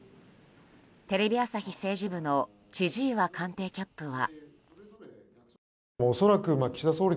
テレビ朝日政治部の千々岩官邸キャップは。